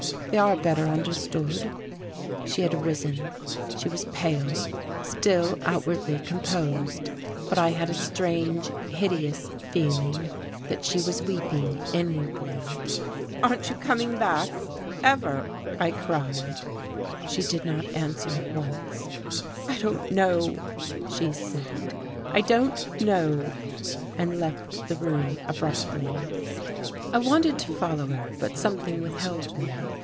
They are better understood." She had risen. She was pale, still outwardly composed, but I had a strange, hideous feeling that she was weeping inwardly. "Aren't you coming back ever?" I cried. She did not answer at once. "I don't know," she said, "I don't know," and left the room abruptly.... I wanted to follow her, but something withheld me.